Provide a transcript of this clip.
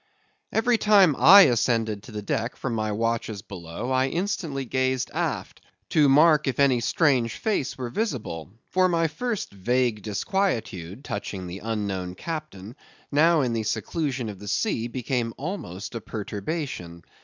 Every time I ascended to the deck from my watches below, I instantly gazed aft to mark if any strange face were visible; for my first vague disquietude touching the unknown captain, now in the seclusion of the sea, became almost a perturbation.